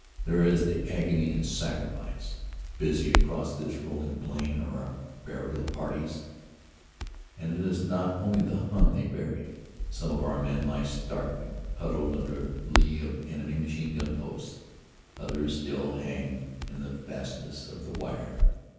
There is the agony and sacrifice. Busy across this rolling plain are our burial parties and it is not only the Hun they bury. Some of our men lie stark and huddled under lee of enemy machine gun posts; others still hang in the fastnesses of the wire.